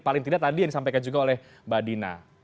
paling tidak tadi yang disampaikan juga oleh mbak dina